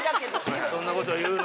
「そんなこと言うの？」